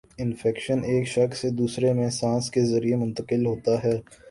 infection ایک شخص سے دوسرے میں سانس کے ذریعے منتقل ہوتا ہے